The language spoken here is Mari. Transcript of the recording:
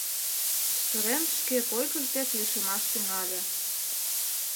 Чытырен шке койкыж дек лишемаш тӱҥале.